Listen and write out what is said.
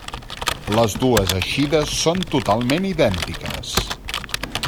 Les dues eixides són totalment idèntiques.